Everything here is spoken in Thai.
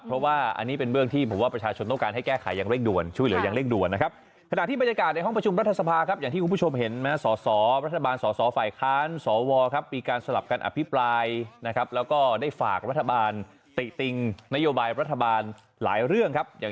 ใจเย็นนิดนึงพูดธิบายทราบแน่นอน